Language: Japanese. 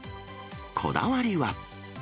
こだわりは。